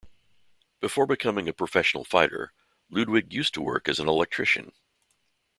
Before becoming a professional fighter, Ludwig used to work as an electrician.